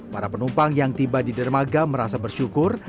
para penumpang yang tiba di dermaga merasa bersyukur